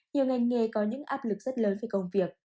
nhiều ngành nghề có những áp lực rất lớn về công việc